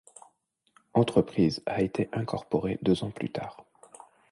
Enterprise a été incorporée deux ans plus tard.